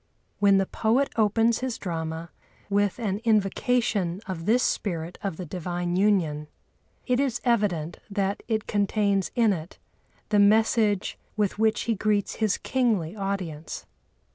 When the poet opens his drama with an invocation of this Spirit of the Divine Union it is evident that it contains in it the message with which he greets his kingly audience.